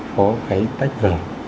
có cái tách vời